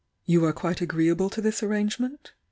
"You are quite agreeable to this arrangement?"